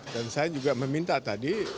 dan saya juga meminta tadi